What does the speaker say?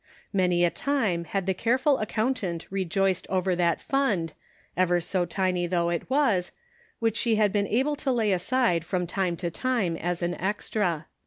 Many a time had the careful account ant rejoiced over that fund — ever so tiny though it was — which she had been able to lay aside from time to time as an extra.